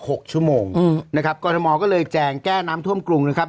หกชั่วโมงอืมนะครับกรทมก็เลยแจงแก้น้ำท่วมกรุงนะครับ